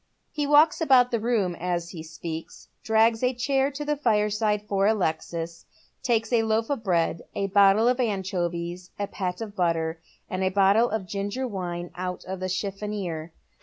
He walks about the room as he speaks, drags a chair to the fireside for Alexis, takes a loaf of bread, a bottle of anchovies, « pat of butter, and a bottle of ginger wine out of the chiffonier.